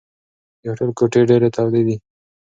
د هوټل کوټې ډېرې تودې دي.